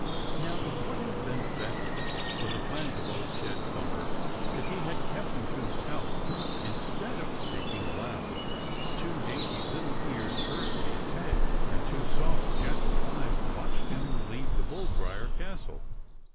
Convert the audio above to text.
Now it would have been better for the plans of Old Jed Thumper if he had kept them to himself instead of speaking aloud. Two dainty little ears heard what he said, and two soft, gentle eyes watched him leave the bull briar castle.